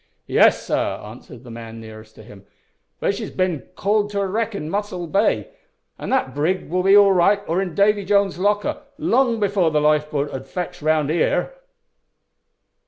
"Yes, sir," answered the man nearest to him, "but she's bin called to a wreck in Mussel Bay, an' that brig will be all right or in Davy Jones's locker long afore th' lifeboat 'ud fetch round here."